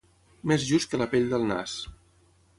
Més just que la pell del nas.